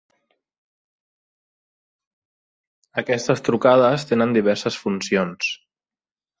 Aquestes trucades tenen diverses funcions.